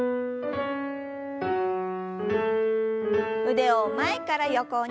腕を前から横に。